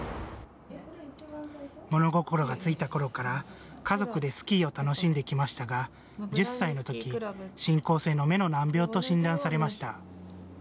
物心がついたころから、家族でスキーを楽しんできましたが１０歳の時、進行性の目の難病と診断されました。